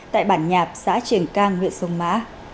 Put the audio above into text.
tại bản nhạp xã triềng cang huyện sông mã